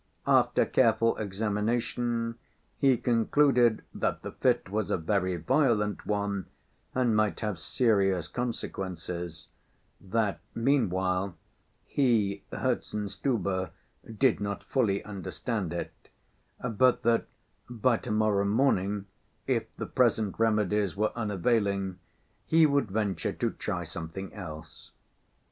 After careful examination, he concluded that the fit was a very violent one and might have serious consequences; that meanwhile he, Herzenstube, did not fully understand it, but that by to‐morrow morning, if the present remedies were unavailing, he would venture to try something else.